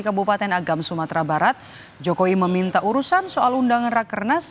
kabupaten agam sumatera barat jokowi meminta urusan soal undangan rakernas